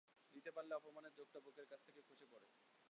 দিতে পারলে অপমানের জোঁকটা বুকের কাছ থেকে খসে পড়ে।